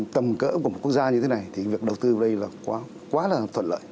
tầm cỡ của một quốc gia như thế này thì việc đầu tư vào đây là quá là thuận lợi